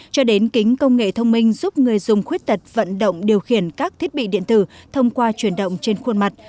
cho đến kính công nghệ thông minh giúp người dùng khuyết tật vận động điều khiển các thiết bị điện tử thông qua chuyển động trên khuôn mặt